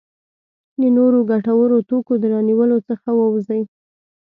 د نورو ګټورو توکو د رانیولو څخه ووځي.